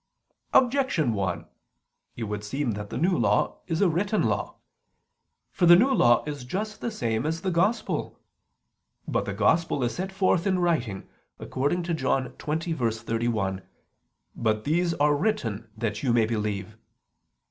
Objection 1: It would seem that the New Law is a written law. For the New Law is just the same as the Gospel. But the Gospel is set forth in writing, according to John 20:31: "But these are written that you may believe."